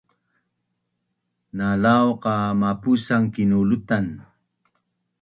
Na lau qa mapusan kinulutan